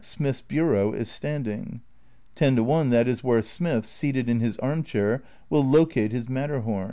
Smith's bureau is standing. Ten to one that is where Smith, seated in his armchair, will locate his Matterhom.